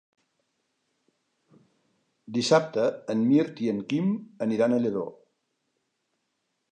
Dissabte en Mirt i en Quim aniran a Lladó.